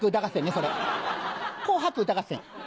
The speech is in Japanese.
それ『紅白歌合戦』。